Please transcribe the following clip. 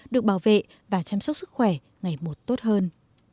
được bảo vệ và chăm sóc sức khỏe ngày một tốt hơn